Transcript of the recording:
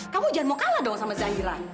kamu jangan mau kalah dong sama zahiran